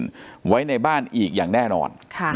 ไว้ในบ้านอีกอย่างแน่นอน